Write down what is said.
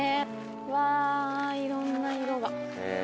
うわいろんな色が。